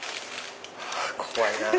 怖いなぁ。